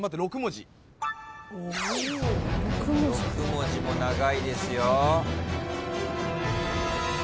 ６文字も長いですよ。